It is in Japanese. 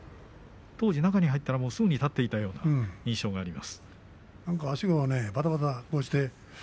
当時中に入ったらすぐに立っていたような印象があります。